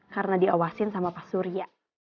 karena diawasin sama pak surya